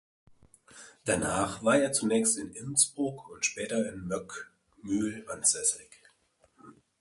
Danach war er zunächst in Innsbruck und später in Möckmühl ansässig.